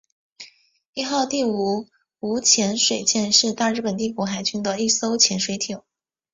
伊号第五五潜水舰是大日本帝国海军的一艘潜水艇。